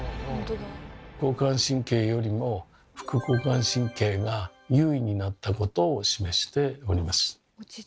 交感神経よりも副交感神経が優位になったことを示しております。